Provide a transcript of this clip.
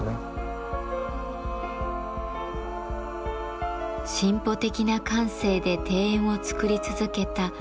進歩的な感性で庭園を作り続けた重森三玲。